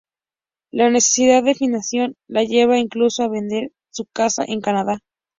La necesidad de financiación le lleva incluso a vender su casa en Canadá.